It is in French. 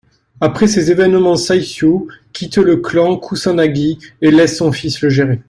Après ses événements Saisyu quitte le clan Kusanagi et laisse son fils le gérer.